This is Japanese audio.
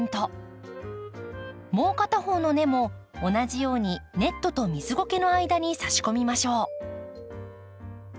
もう片方の根も同じようにネットと水ごけの間に差し込みましょう。